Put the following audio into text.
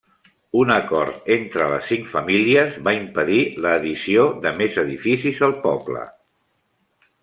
Un acord entre les cinc famílies va impedir l'addició de més edificis al poble.